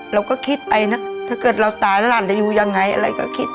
เราก็คิดไปนะถ้าเกิดเราตายแล้วหลานจะอยู่ยังไงอะไรก็คิด